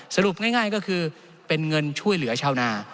สรุปง่ายก็คือเป็นเงินช่วยเหลือชาวนา